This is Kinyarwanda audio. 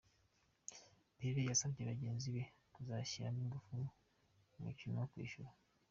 Pierro yasabye bagenzi be kuzashyiramo ingufu mu mukino wo kwishyura.